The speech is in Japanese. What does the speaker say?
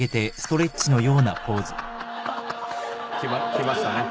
きましたね。